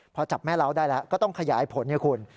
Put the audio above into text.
พอจับแม่เลาะได้แล้วก็ต้องขยายผล